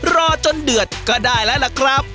รอจนเดือดก็ได้แล้วล่ะครับ